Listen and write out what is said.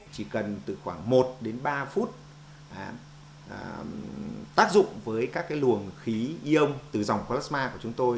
chỉ cần từ khoảng một đến ba phút tác dụng với các luồng khí ion từ dòng plasma của chúng tôi